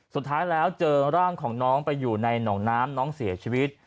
สุดท้ายแล้วเจอร่างของน้องไปอยู่ในหนองน้ำน้องเสียชีวิต